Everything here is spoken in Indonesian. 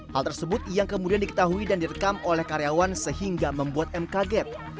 hal tersebut yang kemudian diketahui dan direkam oleh karyawan sehingga membuat m kaget